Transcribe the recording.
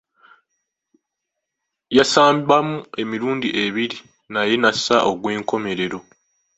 Yasambamu emirundi ebiri naye n’assa ogw’enkomerero.